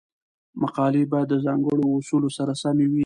مقالې باید د ځانګړو اصولو سره سمې وي.